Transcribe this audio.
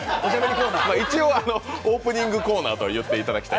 一応オープニングコーナーと言っていただきたい。